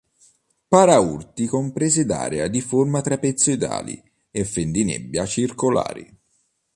Paraurti con prese d'aria di forma trapezoidali e fendinebbia circolari.